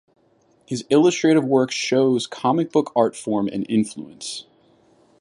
His illustrative work shows comic book art form and influence.